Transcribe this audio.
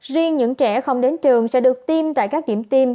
riêng những trẻ không đến trường sẽ được tiêm tại các điểm tiêm